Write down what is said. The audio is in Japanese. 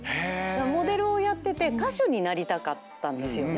モデルをやってて歌手になりたかったんですよね。